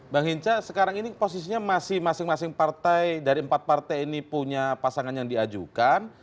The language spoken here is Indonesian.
bang hinca sekarang ini posisinya masih masing masing partai dari empat partai ini punya pasangan yang diajukan